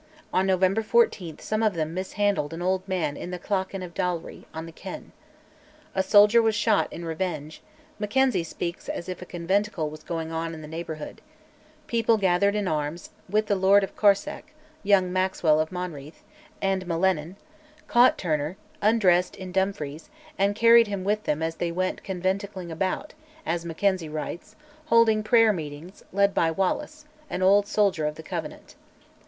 On November 14 some of them mishandled an old man in the clachan of Dalry, on the Ken. A soldier was shot in revenge (Mackenzie speaks as if a conventicle was going on in the neighbourhood); people gathered in arms, with the Laird of Corsack, young Maxwell of Monreith, and M'Lennan; caught Turner, undressed, in Dumfries, and carried him with them as they "went conventicling about," as Mackenzie writes, holding prayer meetings, led by Wallace, an old soldier of the Covenant.